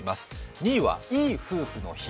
２位はいい夫婦の日。